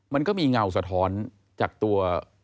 มันก็มีเงาสะท้อนจากตัว